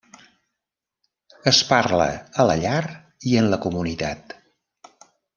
Es parla a la llar i en la comunitat.